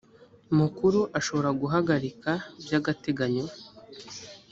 mukuru ashobora guhagarika by agateganyo